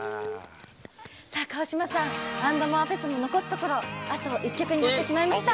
川島さん「ａｎｄｍｏｒｅＦＥＳ．」も残すところ、あと一曲になってしまいました。